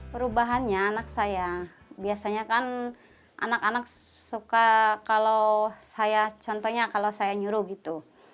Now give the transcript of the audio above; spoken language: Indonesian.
perubahannya anak saya biasanya kan anak anak suka kalau saya contohnya kalau saya nyuruh gitu